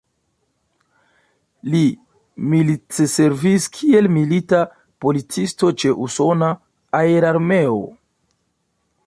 Li militservis kiel milita policisto ĉe usona aerarmeo.